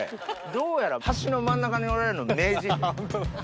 どうやら橋の真ん中におられるの名人。